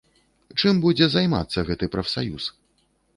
Чым будзе займацца гэты прафсаюз?